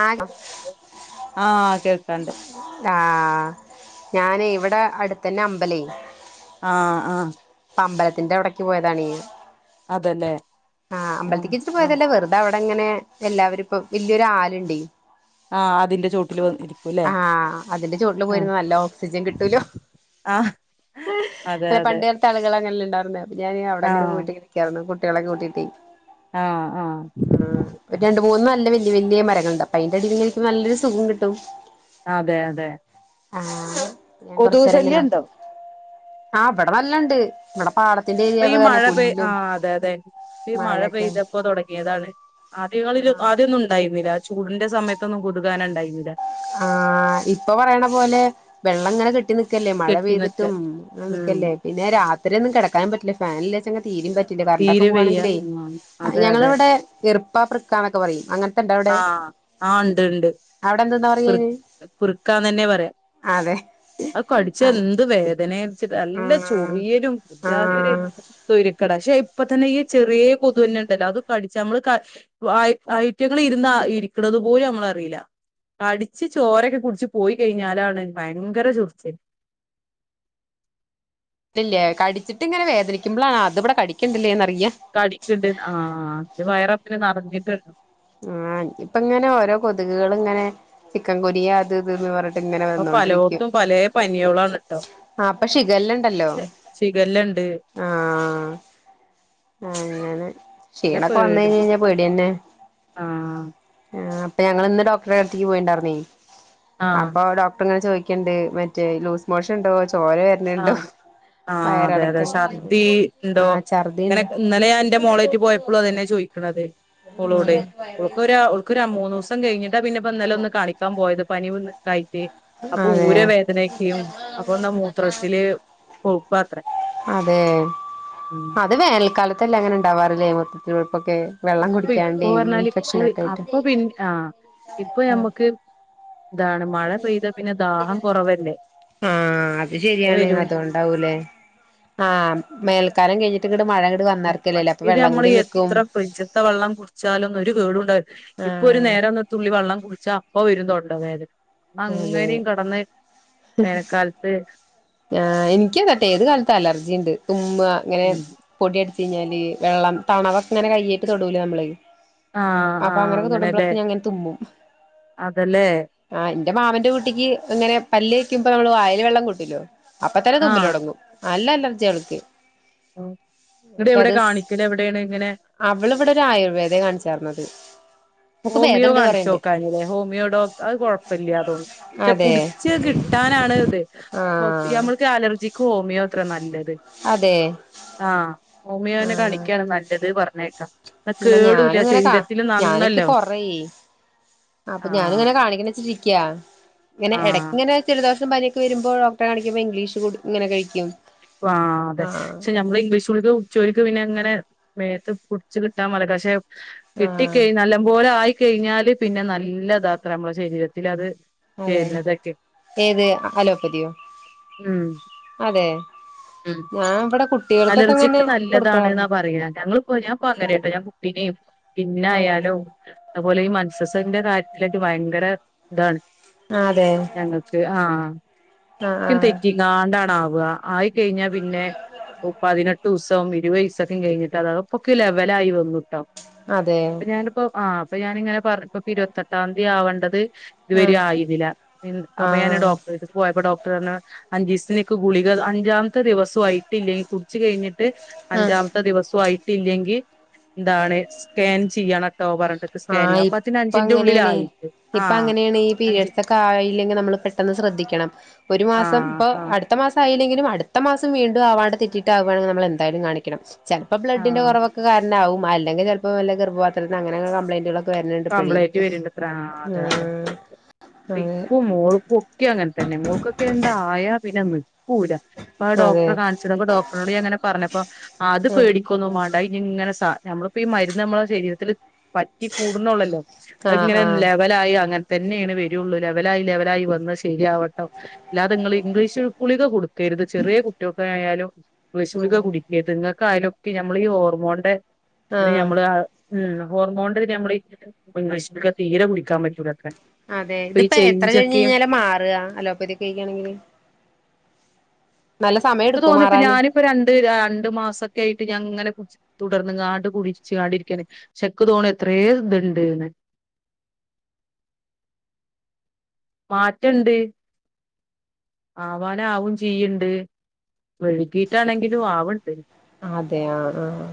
ആണോ? ആഹ് കേൾക്കാണ്ട് ആഹ് ഞാനെ ഇവിടെടുത്തന്നെ അമ്പലെ ആഹാ ആഹാ അപ്പമ്പലത്തിന്റവിടക്ക് പോയതാനേ അതല്ലേ ആ ആഹ് അമ്പലത്തേക്ക്ച്ച്ട്ട് ആഹ് പോയതല്ല വെറുതെ അവിടെങ്ങനെ എല്ലാവരുപ്പ വല്ല്യരാല്ണ്ടേ ആ അതിന്റെ ചോട്ടിൽ വന്നിരിക്കുല്ലെ ആഹ് അതിന്റെ ചോട്ടില് ആഹ് പോയിരുന്ന നല്ല ഓക്സിജൻ കിട്ടൂലോ ആഹ് അതെ അതെ ത്താളുകളങ്ങനെല്ലേണ്ടായിരുന്നേ അപ്പൊ ഞാൻ അവിടെങ്ങനെ ആഹ് പോയിട്ട് ഇരിക്കായിരുന്നു കുട്ടികളെക്കെ കൂട്ടിട്ടെ ആഹ് ആഹ് ഉം ഒരു രണ്ട് മൂന്നു നല്ല വല്ല്യ വല്ല്യ മരങ്ങള്ണ്ട് അപ്പയിന്റെ അടിയിലിങ്ങെരിക്കുമ്പോ നല്ലൊരു സുഖം കിട്ടും. അതെ അതെ ആ ഞാൻ കൊതുക് ശല്യം കൊറച്ചേരങ്ങനെ ഉണ്ടോ ആ ഇബടെ നല്ലണ്ട്. ഇബടെ പാടത്തിന്റേരിയാ ഇപ്പ ഈ മഴ പെയ് ആ അതെ അതെ ഇപ്പ ഈ മഴ മഴയൊക്കെയാണ് പെയ്തപ്പോ തുടങ്ങിയതാണ്. ആദ്യങ്ങളില് ആഹ് ആദ്യന്നും ഉണ്ടായിരുന്നില്ല ചൂടിന്റെ സമയത്തൊന്നും കൊതുകാന ണ്ടായിന്നില്ല. ആ ഇപ്പൊ പറയ്ണ പോലെ വെള്ളം ങ്ങനെ കെട്ടി ല്ലേ മഴ കെട്ടി നിക്ക പെയ്തിട്ടും ങ്ങനെ ഉം ന്ക്ക്‌ല്ലേ പിന്നെ രാത്രിയൊന്നും കെടക്കാനും പറ്റില്ല മഴല്ല്യാച്ചിങ്ങി തീരിം പറ്റില്ല കർണ്ടൊക്കെ തീരെ വയ്യ പോകാണെങ്കിലേയ് ഉം അതെ അതെ ഞങ്ങളവ്ടെ എറുപ്പപ്ര ക്കാണൊക്കെ പറയും അങ്ങൻ ആ ആ ണ്ട് ണ്ട് അവ്ടെന്ത്‌ന്നാ പ്ര് ക്കാന്ന് ന്നെ പറയാ അതെ അത് കടിച്ച ആഹ് എന്ത് വേധനേ നല്ല ആഹ് ചൊറിയലും ഒര്ജാതി ഒര് ആഹ് തൊയ്രക്കേട പക്ഷെ ഇപ്പ തന്നെ ഈ ചെറിയ കൊതുന്നെ ണ്ടല്ലോ അത് കടിച്ച അമ്മ്ള് ക വായ് ഐറ്റങ്ങള് ഇര്ന്ന ഇരിക്കണത് പോലു ഞമ്മളറീല കടിച്ച് ചോരക്കെ കുട്ച്ച് പോയി കഴിഞ്ഞാലാണ് ഭയങ്കര ചൊർച്ചില് ത് ല്ലേ കടിച്ചിട്ട് ങ്ങനെ വേധനിക്ക്മ്പ്ളാ ആ അത് ഇവിടെ കടിക്ക്‌ണ്ട്ല്ലേന്ന്റിയ കടിക്ക്‌ണ്ട്ന്ന് ആ ത് വയറപ്പനെ നറഞ്ഞിട്ട്ണ്ടാവും ആ ഞ്ഞിപ്പ ങ്ങനെ ഓരോ കൊത്ക്കള്ങ്ങനെ ചിക്കൻ കൊനിയ അത് ത് ന്ന് പർ ഇപ്പൊ പലോർത്തും പലേ പനിയളാണ്ട്ട്ടോ ആ പ്പ ഷിഖല്ലണ്ടല്ലോ ശിഖല്ലണ്ട് ആ ആ അങ്ങനെ നല്ല ക്ഷീണൊക്കെ പേടി വന്നയ്ഞ്ഞ പേടിന്നെ. ആഹ് ആ അപ്പൊ ഞങ്ങള്ന്ന് ഡോക്ടറെ അടുത്തേക്ക് പോയിണ്ടാരുന്നേയ് ആഹ് അപ്പൊ ഡോക്ടർ ങ്ങനെ ചോയ് ക്ക്‌ണ്ട് മറ്റേ ലൂസ് മോഷൻ ണ്ടോ ചോര [unintelligible] ആ ആ അതെ അതെ വയറിളക്കം ശർദ്ധി ഇണ്ടോ ആഹ് ഛർദിണ്ട് അങ്ങനെക്കെ ഇന്നലെ ഞാൻ ന്റെ മോളേയ്റ്റ് പോയപ്പളും അതെന്നെ ചോയ്ക്ക്‌ണത് മളോടെയ് ഓൾക്കോരോ ഓൾക്കൊരാ മൂന്നൂസം കഴ്ഞ്ട്ടാ പിന്നെ പ്പ ന്നെലൊന്ന് കാണി ക്കാൻ പോയത് പനി വന്ന്ക്കായ്റ്റേയ് അപ്പൊ അതെ ഊര വേധനയ്ക്കയും അപ്പൊന്ന മൂത്രട് അതെ ഉം. അപ് അത് വേനൽക്കാലത്തല്ലേ അങ്ങനെ ണ്ടാവാറില്ലേ മൂത്രത്തിൽ പഴ്പ്പൊക്കെ ഇപ്പൊ ഇപ്പൊ പറഞ്ഞാല് ഇപ്പൊ അപ്പൊ പിന്നെ ആ ഇപ്പൊ ഞമ്മുക്ക് താണ് മഴ പെയ്താ പിന്നെ ദാഹം കുറവല്ലേ? ആ അത് ശരിയാണ് അതുകൊണ്ട് ണ്ടാവും ലേ ആ മേൽക്കാലം കഴ്ഞ്ഞിട്ട് ങ്ങ്ട് മഴ വന്നാർക്കല്ലേല്ലേ അപ്പൊ മറ്റേത് വെള്ളം നമ്മള് കൂടി നിക്കും എത്ര ഫ്രിഡ്ജത്തെ വെള്ളം കുട്ച്ചാലും ഒരു കേടുണ്ടാ ഇപ്പൊ ഒരു ആഹ് നേരം ഒന്ന് തുള്ളി വെള്ളം കുട്ച്ച അപ്പ വരും തൊണ്ട വേധന. അതെ അങ്ങനീം കെടന്ന് വേനക്കാൽത്ത്. ആ ഇൻക്ക് തട്ടേ ഏത് കാലത്ത് അലർജി ണ്ട് തുമ്മ ങ്ങനെ പൊടിയട്ച്ച് കഴിഞ്ഞാല് വെള്ളം തണവക്ക ഇങ്ങനെ കയ്യയിട്ട് തൊടൂലേ നമ്മള് ആഹ് അപ്പ ആഹ് അങ്ങനെക്കെ അങ്ങനെല്ലേ തൊടുമ്പളൊക്കെ ഞാങ്ങനെ തുമ്പും. അതല്ലേ ആ ന്റെ മാവന്റെ കുട്ടിക്ക് ഇങ്ങനെ പല്ലേക്കുമ്പ നമ്മള് വായേല് വെള്ളം കൂട്ടില്ലോ അപ്പത്തന്നെ തുമ്പൽ ആഹ് തൊടങ്ങും നല്ല അലർജിവൾക്ക്. ആ ന്ന്ട്ട് എവ്ടെ കാണിക്കലവ്ടേണ്ങ്ങനെ അവള് വ്ടെ ഒരു ആയുർവേദെ കാൺച്ചാര്ന്നത് ഹോമിയോ കാണിച്ചോക്കായ്ന്നീലേ ഹോമിയോ ഡോ അത് കൊഴപ്പല്ല്യാ തോൺണ് പക്ഷെ അതെ പുടിച്ച് കിട്ടാനാണ് ത് ആഹ് നമ്മൾക്ക് അലർജി ക്ക്‌ ഹോമിയോ ത്രേ നല്ലത് അതെ ആ ഹോമിയോനെ കാണി ആഹ് ഒക്കെയാണ് നല്ലത് പറഞ്ഞ കേക്കാ എന്ന എന്നാ കേടൂല ഞാനിങ്ങനെ കാ ശരീരത്തിന് ഞാനിക്ക് നന്നല്ലെ അപ്പൊ ഞാനിങ്ങനെ കാണണ വെച്ചിിരിക്കയാ ഇങ്ങനെ ഇടക്ക ആഹ് ഇങ്ങനെ [unintelligible] [unintelligible] ഇംഗ്ലീഷ് കുടി ഇങ്ങനെ കഴിക്കും ആ അതെ ആഹ് പക്ഷെ നഞമ്മള് ഇംഗ്ലീഷ് ഗുളി ചുക്ക് പിന്നെ എങ്ങനെ മേത്ത് കുടിച്ചച്ച് കിട്ടാൻ മതി പക്ഷെ കിട്ടി ആഹ് കഴിഞ്ഞ നല്ല പോലെ ആയിക്കഴിഞ്ഞാല് പിന്നെ നല്ലത അത്ര നമ്മളെ ശരീരത്തിൽ അത് അതെ വരുന്നതൊക്കെ ഏത് അലോപ്പതിയോ ഉം അതെ ഉം ഞാന ഇവിടെ കുട്ട അലർജിക്ക് നല്ലതാണെന്നാ പറയ ഞങ്ങള്ൾ പോയി ഞാൻപ്പോ അങ്ങനെയ കേട്ടോ ഞാൻ കുട്ടീനേും പോ പിന്നെ ആയാലും അതുപോലെ ഈ മെൻസസിന്റെ കാര്യത്തിലായിട്ട് ഭയങ്കര ഇതാണ് അതെ അതെ ഞങ്ങൾക്ക് ആഹ് ആഹ് ആഹ് പ്പംതെറ്റി നാണ്ടാണ ആാവ ആയി കഴിഞ്ഞാൽ പിന്നെ പതിനെട്ട് ദിവസം ഇരുവയസ്സൊക്കെ കഴിഞ്ഞിട്ട് അതക്കെപ്പം ലെവലായി വന്നിട്ടോ അതെ പ്പ ഞാനിപ്പോ ആ അപ്പൊ ഞാാനിങ്ങനെ പറഞ്ഞ ഇപ്പ ഇരുപത്തെട്ടാം തി ആവണ്ടത് ഇതുവര ആഹ് ആയിരുന്നില്ല അപ്പൊ ഞാൻ ആഹ് ഡോക്ടറട്ത്ത് പോയപ്പോ ഡോക്ടർ അഞ്ചിസ്തി നെക്ക് ഗുളിക അഞ്ചാമത്തെ ദിവസു ആയിട്ടില്ലെങ്കി കുടിച്ച് കഴിഞ്ഞിട്ട് ആഹ് അഞ്ചാമത്തെ ദിവസു ആയി ട്ടില്ലെങ്കിൽ എന്താണ് സ്കാൻ ചെയ്യണം ആഹ് ഇപ്പൊ അങ്ങനേണ് ഉള്ളിലായിട്ട് ആ ഇപ്പ അങ്ങണേണ് ഈ അഞ്ച് പീരയഡ്സ് ഒക്കെ ആയില്ലെങ്കിൽ നമ്മള് പെ [unintelligible] ശ്രദ്ധിക്കണം ഒരു ആ മാസം ഇപ്പൊ ആ അടു ഒരു മാസം ആയില്ലെങ്കിലും അടുത്ത മാസം വീണ്ടും അവാർഡ തെറ്റിട്ടാവുകയാണെങ്കിൽ നമ്മെന്തായാലും കാണിക്കണം ചിലപ്പോ ആ ബ്ലഡിന്റെ കുറവൊക്കെ കാരണാവും അല്ലെങ്ക ചിലപ്പോ വല്ല ഗർഭപാത്രത്തി അങ്ങന കപ്ലയിൻ്റുകളൊ കംപ്ലൈന്റ്റ് വരണ്ടത്ര അതെ അതെ ആഹ് പിക്കും മോൾക്കും ഒക്കെ അങ്ങനെ തന്നെ മോൾക്കൊക്കെ ണ്ടായ പിന്നെ നക്കൂലപ്പ ആ അതെ അതെ ഡോക്ടർ കാ ചിലപ്പം ഡോടറിനോട് ഞാൻ അങ്ങനെ പറഞ്ഞപ്പൊ അത് പേടിക്കൊന്നും വേണ്ട ഇനി ഇങ്ങനെ സാ നമ്മളപ്പോ ഈ മരുന്ന് നമ്മെളെ ശരീരത്തിത്തില് പറ്റി കൂടുന്നുള്ളല്ലോ അങ്ങനെ ആഹ് ഒരു ആഹ് ലെപെ ലായി അങ്ങനെ തന്നെയാണ് വരുുള്ളൂ ലെവലായി ലെവലായി വന്ന് ശരിയാവട്ടെ ഇല്ലാതെ നിങ്ങള്ൾ ഇംഗ്ലീഷ് ഗുളിക കൊടുക്കരുത് ചെറിയ കുട്ടികൾക്കെ ആയാലും ഇംഗ്ലീഷ് ഗളിക ആഹ് അതെ കുടിക്ക എതങ്ങൾക്കായാലൊക്കെ നമ്മൾ ഈ ഹോർമോണന്റെ ഇതി ആഹ് നമ്മള് ഹോർമോണന്റെ നമ്മള് ഈ ഇംഗ്ലീഷ് ഗുളിക തീരെ കുടിക്കാൻ പറ്റൂലത്രെ അതെ ഇതിപ്പോ എത്ര കഴിഞ്ഞ് കഴിഞ്ഞാല മാറുക അലോപ്പതിെ കഴിക്കുകയാണെങ്കില് നല്ല സമയം ഇപ്പ എടുക്കുവോ തോന്നിപ്പോ മാറാന് ഞാനിപ്പോ രണ്ട് രണ്ട് മാസൊക്കൊയിട്ട് ഞാൻ ഇങ്ങനെ തുടർന്ന് ങ്ങാണ്ട്ട് കൂടിച്ച് ങ്ങാണ് ഇരിക്കണ് ശെക്ക് തോണ എത്രയ ഇതുണ്ട്െ മാറ്റംണ്ട് ആവാന ആവും ചെയ്യണ്ട് വെഴുുകീട്ടാണെങ്കിലും ആവണ്ട് അതെ ആ ആഹ്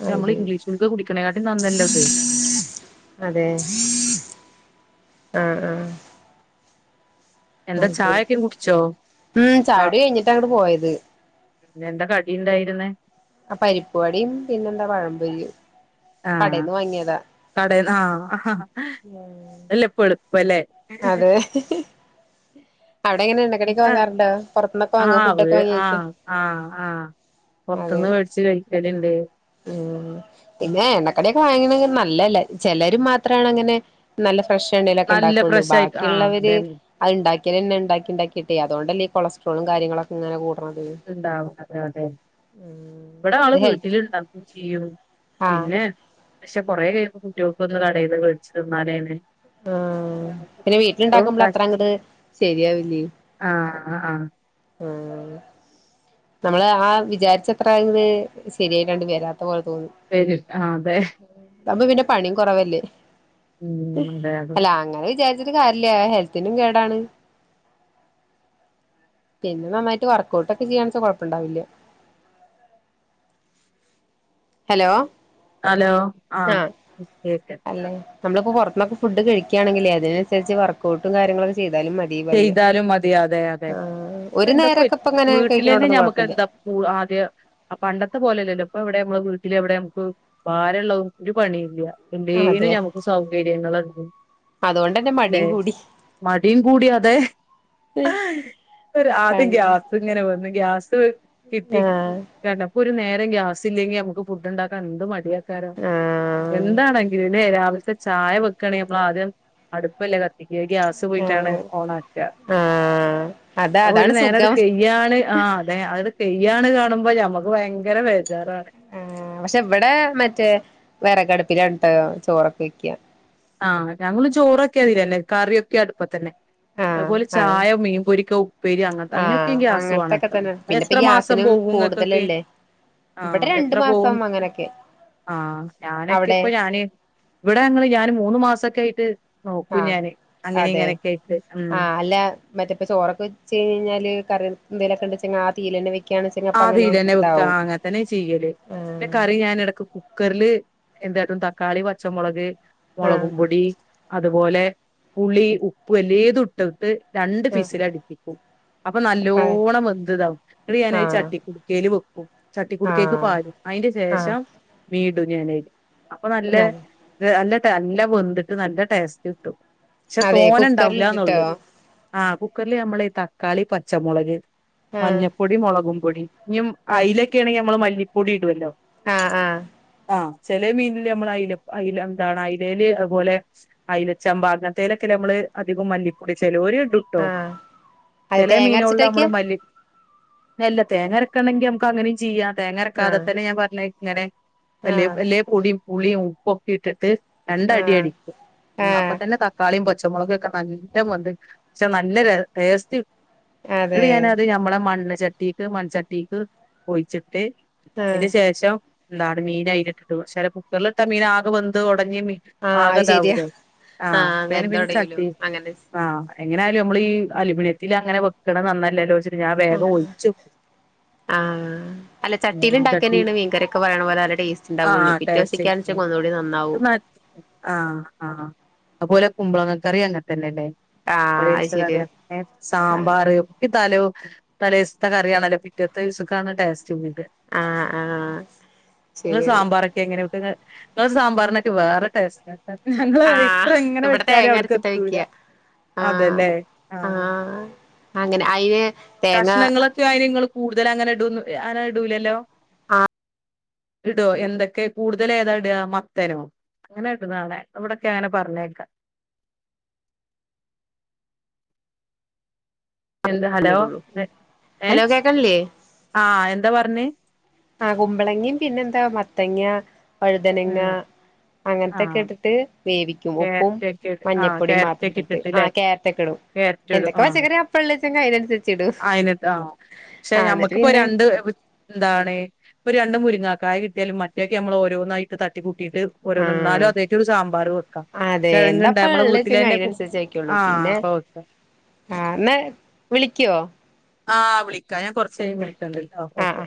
പക്ഷെ അത് നമ്മള് ശരി ഇംഗ്ലീഷ് ഗുളിക കുടിക്കണക്കാട്ട് ലും നന്നല്ലെത് അതെ ആ ആ എന്റെ ശരി ചായക്കെും കുടിച്ചോ ഉം കാ ചായുടി കഴിഞ്ഞിട്ടാ അങ്ങട് പോയത് പിന്ന എന്താ കടിയുണ്ടായിരുന്നേ ആ പരിപ്പുവടിം പിന്നെന്താ പഴംപൊരിയും ആഹ കടേന്ന് വാങ്ങിയതാ കട ആ അല്ലപ്പ എളുപ്പല്ലേ അതെ അവടെങ്ങനെ എണ്ണക്കടിയൊക്കെ വാങ്ങാറുണ്ടോ പൊറത്തൂന്നൊക്കെ വാങ്ങോ ആഹ് ഫുഡ് വ് ഒക്കെ വാങ്ങി കയ്ക്കോ പൊറത്തുന്ന് മേടിച്ച് കഴിക്കലിണ്ട് ഉം പിന്നെ എണ്ണക്കടിയൊക്കെ വാങ്ങിക്കണെങ്കി നല്ലല്ല ചെലരു മാത്രാണങ്ങനെ നല്ല ഫ്രഷ് എണ്ണേലൊക്കെ നല്ല ഇണ്ടാക്കൊള്ളൂ ഫ്രഷായിട്ട് ആഹ് ബാക്കിയുള്ളവര് അതെ അയ്ണ്ടാക്കിയാലന്നെ ഇണ്ടാക്കി ഇണ്ടാക്കിട്ടെ അതുകൊണ്ടല്ലേ ഈ കൊളസ്ട്രോളും കാര്യങ്ങളൊക്കെ ഇങ്ങനെ കൂടണത് ഇണ്ടാവും അതെ അതെ ഉം ഇവടെ ആള് ഇത് ഹെൽത്ത് വീട്ടിലിണ്ടാവും ചെയ്യും ആഹ് പിന്നെ പക്ഷെ കൊറേ കഴിയുമ്പോ കുട്ടിയോക്കും അത് കടേന്ന് വേടിച്ച് തിന്നാലേ നെ ആഹ് പിന്നെ വീട്ടിലിണ്ടാക്കുമ്പോളത്രയങ്ങട് ശെരിയാവില്ലേ ആഹ് ആഹ്ആഹ് ഉം നമ്മള് ആഹ് വിചാരിച്ചത്ര ഇത് ശരിയായിട്ടാണ്ട് വരാത്ത പോലെ തോന്നി വെരും ആഹ് അതെ അപ്പൊ പിന്നെ പണിയും കൊറവല്ലേ ഉം അതെ അതെ അല്ല അങ്ങനെ വിചാരിച്ചി ട്ട് കാര്യല്ലാ ഹെൽത്തിനും കേടാണ് പിന്നെ നന്നായിട്ട് വർക്ക്ഔട്ട് ഒക്കെ ചെയ്യാണ്ച്ചാ കൊഴപ്പൊണ്ടാവില്ല ഹലോ ഹലോ ആഹ് കേക്ക അല്ലേ നമ്മളിപ്പോ പൊറത്ത്ന്നൊക്കെ ഫുഡ് കഴിക്കയാണെങ്കിലേ അതിനനുസരിച്ച് വർകൗട്ടും കാര്യങ്ങളൊക്കെ ചെയ്താലും മതി പറയാ ചെയ്താലും മതിയാതെ അതെ ആഹ് ഒരു എന്താ നേരൊക്കെ ഇപ്പ ഇങ്ങനെ വീട്ടിലന്നെ കഴിക്കണോണ്ടൊന്നും ഞമ്മക്ക് കൊഴപ്പല്ല എന്താ പൂൾ ആദ്യ ആഹ് പണ്ടത്തെ പോലല്ലല്ലോ ഇപ്പ ഇവടെ അമ്മള് വീട്ടില് എവടെ നമക്ക് ഭാരൊളള ഒരു പണിയുല്ല്യാ ഡെയിലി അതെ ഞമ്മക്ക് സൗകര്യങ്ങളുണ്ട് സൗകര്യങ്ങളൊണ്ട് അതുകൊണ്ടന്നെ ല്ലേ മടിയും കൂടി മടിയും കൂടിയാ ഏഹ് ഒരാദ്യം ഗ്യാസിങ്ങനെ വന്ന് ഗ്യാസ്സ് വി- കിട്ടി ആഹ് ചെലപ്പോരു നേരം ഗ്യാസ് ഇല്ലെങ്കി നമ്മുക്ക് ഫുഡ് ഉണ്ടാക്കാൻ എന്ത് മടിയ ക്കാരം ആഹ് എന്താണെങ്കിലും ലേ രാവിലത്തെ ചായ വെക്കണെ നമ്മളാദ്യം അടുപ്പല്ലേ ക ഇക്ക് ഗ്യാസ് പോയിട്ടാണ് ഓണാക്കാ ആഹ് അതാ അപ്പൊ ഒരു അതാണ് നേരം സുഖം എടുക്കെ തെയ്യാണ് ആഹ് അതെ അത് തെയ്യാണ് കാണുമ്പോ ഞമ്മക്ക് പയങ്കര ബേജാറാണ് ഉം ഉം പക്ഷെ ഇവടെ മറ്റേ വെറകടുപ്പിലാണ് ട്ടാ ചോറൊക്കെ വയ്ക്കാ ആഹ് ഞങ്ങള് ചോറൊക്കെ അതിലല്ലെ കറിയൊക്കെ അടുപ്പത്തന്നെ ആഹ് അതുപോലെ അതെ ചായോ മീൻ പൊരിക്കോ ഉപ്പേരി അങ്ങനത്തെ അയിനൊക്കെ ആഹ് ഗ്യാസ് അങ്ങനത്തൊക്കെ വേണട്ടോ തന്നെ പിന്നെപ്പ എത്ര മാസം ഗ്യാസിനും പോകുംങ്ങക്കൊക്കേ കൂടുതലല്ലേ ഇവിടെ ആഹ് രണ്ടു എത്ര മാസം അങ്ങനൊക്കെ പോകുംആഹ് ഞാനൊക്കെ അവിടെ ഇപ്പൊ ഞാന് ഇവടെ അങ്ങള് ഞാന് മൂന്ന് മാസൊക്കെ ആയിട്ട് നോക്കും ആഹ് ഞാന് അങ്ങനെ ഇങ്ങനെയൊക്കെ ആയിട്ട് ഉം മറ്റെപ്പ ചോറൊക്കെവെച്ച് കഴിഞ്ഞഴിഞ്ഞാല് കറി എന്തേലൊക്കെണ്ടച്ചാല് ആ തീയിലന്നെ വെയ് ആതീലന്നെ വെക്കാ അങ്ങനെത്തന്നെ ചെയ്യല് പിന്നെ ആഹ് കറി ഞാൻ എടക്ക് കുക്കറില് എന്ത്കാട്ടും തക്കാളി പച്ചമൊളക് മൊളകു ആഹ് പൊടി അതുപോലെ പുളി ഉപ്പ് അല്ലേതു ഇട്ടട്ട് രണ്ട് ആഹ് വിസിലടിപ്പിക്കും അപ്പൊ അതെ നല്ലോണം വെന്തിതാവും ന്നിട്ട് ഞാനത് ആഹ് ചട്ടി കുടുക്കേല് വെക്കും ചട്ടി കുടുക്കേക്ക് ആഹ് പാരും അയിന്റെ ആഹ് ശേഷം വീണ്ടും ഞാനെ- അപ്പൊ നല്ലേ അതെ ഇത് നല്ല ട്ടേ നല്ല വെന്തിട്ട് നല്ല ടേസ്റ്റ് കിട്ടും പക്ഷെ അതെ കുക്കറിലിട്ടിട്ടോ തോനെണ്ടാവൂലാന്നൊള്ളു ആഹ് കുക്കറില് നമ്മളേ തക്കാളി പച്ച മൊളക് ആഹ് മഞ്ഞപ്പൊടി മുളകും പൊടി ഇനിം ആഹ് അയ്ലൊക്കെ ആണെങ്കി അമ്മള് മല്ലിപ്പൊടി ഇടുവല്ലോ ആഹ് ആഹ് ആഹ ചെല മീനില് അമ്മൾ അയ്ലാ അയ്ല എന്താണ് അയ്‌ല്ലേല് അതുപോലെ അലച്ചാമ്പ് അന്നത്തേലൊക്കെലമ്മള് അധികോം മല്ലിപ്പൊടി ചെലോരിട്ടൂ ട്ടോ ആഹ് അത് ചെല തേങ്ങ അരച്ചിട്ടാ മീനോളില് വെക്ക അമ്മള് മല്ലി- ഇല്ല തേങ്ങ അറക്കാണെങ്കി അമുക്ക് അങ്ങനെയും ചെയ്യാം തേങ്ങ അരക്കാതെ ആഹ് തന്നെ ഞാൻ പറഞ്ഞേ ഇങ്ങനെ ആഹ് വല്ല്യാ- പൊടിയും പുളിയും ഉപ്പൊക്കെ ഇട്ടട്ട് രണ്ടടി ആഹ് അടിക്കും അപ്പൊ ആഹ് തന്നെ ത- തക്കാളീം പച്ചമുളകൊക്കെ നല്ലം വെന്ത് ട്ട് നല്ല ടേസ്റ്റ് അതെ ന്നട്ട് ഞാനത് ഞമ്മളെ മൺ ചട്ടീക്ക് മൺച്ചട്ടിക്ക് ഒഴിച്ചിട്ട് ആഹ് അതിന്റെ ശേഷം ന്താണ് മീനു ഐലിട്ടു കുക്കർലിട്ടാ മീനാകെ വെന്ത് ഒടഞ് ആഹ് അത് ശരിയാ ആകെതാവൂലെ ആഹ് അപ്പം പിന്നെ ഞാന് വെന്തൊടയൂലോ ചട്ടി അങ്ങനെ ആ എങ്ങനെയാലും നമ്മളീ അലുമിനിയത്തിൽ അങ്ങനെ വക്ക് ണത് നന്നലല്ലോ ച്ചിട്ട് ഞാൻ വേഗം ഒ ച്ചു ആഹ് അല്ല ചട്ടീല്ണ്ടാക്യാലേന് മീൻ കറിയൊക്കെ നല്ല ടെസ്റ്റ്ണ്ടാവൊള്ളൂ ആഹ് ടേസ്റ്റ് പിറ്റേസ്ത്ത്കാലേണ്ഒന്നൂടെ നന്നാവും ആഹ് ആഹ് അതേപോലെ കുബ്ലങ്ങ കറി അങ്ങനത്തന്നെല്ലേ ആഹ് അത് ശരിയാ ആഹ് സാമ്പാറൊക്കെ തലോ തലേസ് സത്തെ കറിയാണല്ലൊ പിറ്റത്ത ദിവസ് ത്ത്ക്കാണ് ടേസ്റ്റ് കൂട ആഹ് ആഹ് നിങ്ങ ശരിയാണ് സാമ്പാറൊക്കെ എങ്ങനെയെൊക്കെ ങ്ങളെ സാമ്പാറ്നൊക്കെ വേറെ ടേസ്റ്റാ ഞങ്ങള് എത്ര ആഹ് എങ്ങനെ ഇവിടെ വെച്ചാലും തേങ്ങ അരച്ചിട്ടാ ഔട്ക്കെത്തൂല വെക്ക്യ ആഹ് അതെല്ലേ ആഹ് അങ്ങനെ അയിന് തേങ്ങ കഷ്ണങ്ങളൊക്കെഅയിന് ങ്ങള് കൂടുതൽ അങ്ങനെ അങ്ങനെ ഇടൂലല്ലോ ഇടോ എന്തൊക്കെ കൂടുതലേതാ ങ്ങനെട്ണാണ ഇവിടെക്കങ്ങനെ പറഞ്ഞേക്ക എന്താ ആഹ് ഹലോ ഇടുള്ളൂ ഏഹ് ഹലോ കേക്കണില്ലേ അഎന്താ പറഞ്ഞേ ആഹ്കുമ്പളങ്ങിം പിന്നെന്താ മത്തങ്ങ വഴുതനങ്ങ ഉം അങ്ങനത്തൊക്കെ ആഹ് ഇട്ടിട്ട് വേവിക്കും ഉപ്പും ക്യാരറ്റ് ഒക്കെ ഇട് മഞ്ഞപ്പൊടിയും മാത്രട്ടിട്ട് കാരറ്റൊക്കെടും കേരറ്റിടും ആഹ് [unintelligible] അയിനെന്താ ആഹ്പക്ഷെ ആഹ് എന്നിട്ട് ഞമ്മക്കിപ്പൊ പിന്നെ രണ്ട് എന്താണ് പ്പൊ രണ്ട്മുരിങ്ങാക്കായി കിട്ട്യാലുംമറ്റൊക്കെ നമ്മള് ഓരോന്നായിട്ട് തട്ടി കൂട്ടിട്ട് ഓരോന്ന് ന്നാലു ആഹ് ആദ്യായിട്ട് സാമ്പാറ് വെക്കാ അതെ കെഴങ്ങ്ണ്ട് എന്താപ്പ ഞമ്മളെ ഉള്ളേച്ചെങ്കി വീട്ടിലെന്നെ അതിനനുസരിച്ച് വെക്കുള്ളൂ ആ പിന്നെ അപ്പ വെക്കാ ആഹ് ന്നാ വിളിക്കോ ആഹ് വിളിക്ക ഞാന് കൊറച്ച് കഴിഞ്ഞിട്ട് വിളിക്കണ്ട്ട്ടൊ ആഹ് ആഹ് ഓകെ